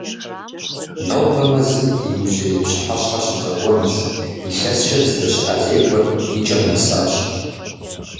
Нобэ мэзым ди иужьрей пщыхьэщхьэр щыдгъэкӏуэнущ, илъэскӀэ дыздэщыӀа зекӀуэр и кӏэм нэсащ.